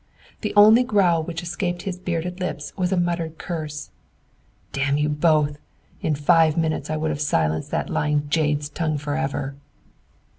The only growl which escaped his bearded lips was a muttered curse. "Damn you both! In five minutes I would have silenced that lying jade's tongue forever."